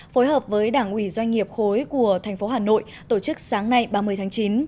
phối hợp với đảng ủy doanh nghiệp khối của thành phố hà nội tổ chức sáng nay ba mươi tháng chín